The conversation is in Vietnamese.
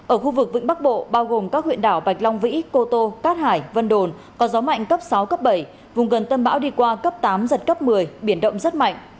ở khu vực vĩnh bắc bộ bao gồm các huyện đảo bạch long vĩ cô tô cát hải vân đồn có gió mạnh cấp sáu cấp bảy vùng gần tâm bão đi qua cấp tám giật cấp một mươi biển động rất mạnh